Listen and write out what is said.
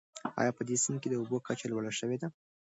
آیا په دې سیند کې د اوبو کچه لوړه شوې ده؟